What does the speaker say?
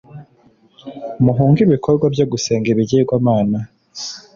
Muhunge ibikorwa byo gusenga ibigirwamana